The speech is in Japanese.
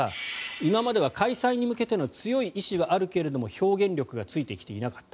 今までは開催に向けての強い意思はあるが表現力がついてきていなかった。